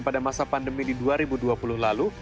pada masa pandemi di dua ribu dua puluh lalu